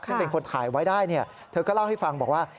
ซึ่งเป็นคนถ่ายไว้ได้เธอก็เล่าให้ฟังบอกว่า